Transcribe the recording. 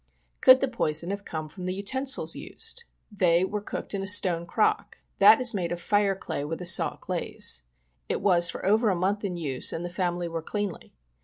Could the poison have come from the utensils used ? They were cooked in a stone crock. That is made of fire clay, with a salt glaze. It was for over a month in use and the family were cleanly.